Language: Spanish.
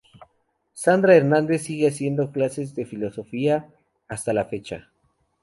Sandra Hernández sigue haciendo clases de filosofía hasta la fecha.